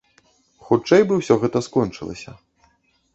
Хутчэй бы ўсё гэта скончылася.